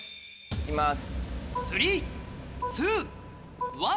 いきます。